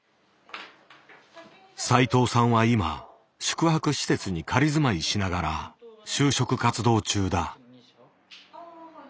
斉藤さんは今宿泊施設に仮住まいしながら就職活動中だ。